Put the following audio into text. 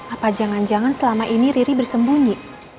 apa jangan jangan selama ini riri bersembunyi